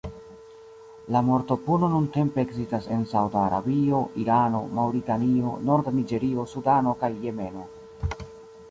La mortopuno nuntempe ekzistas en Sauda Arabio, Irano, Maŭritanio, norda Niĝerio, Sudano, kaj Jemeno.